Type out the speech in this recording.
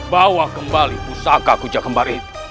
bawa kembali pusaka kuja kembari